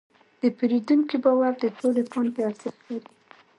د پیرودونکي باور د ټولې پانګې ارزښت لري.